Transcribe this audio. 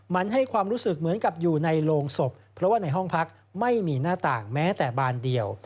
มันให้ความรู้สึกเหมือนกับอยู่ในโรงศพเพราะว่าในห้องพักไม่มีหน้าต่างแม้แต่บานเดียว